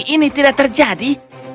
ini tidak terjadi